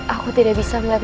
aku tidak bisa melihatnya